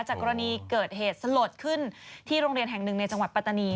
กรณีเกิดเหตุสลดขึ้นที่โรงเรียนแห่งหนึ่งในจังหวัดปัตตานี